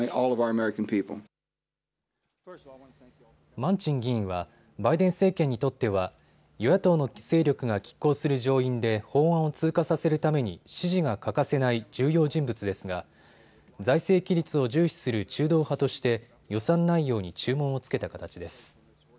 マンチン議員はバイデン政権にとっては与野党の勢力がきっ抗する上院で法案を通過させるために支持が欠かせない重要人物ですが財政規律を重視する中道派として予算内容に注文をつけた形です。